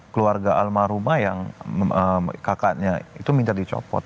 keluarga almarhumah yang kakaknya itu minta dicopot